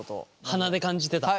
鼻で感じてた。